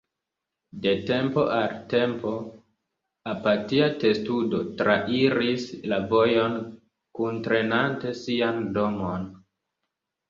De tempo al tempo, apatia testudo trairis la vojon kuntrenante sian domon.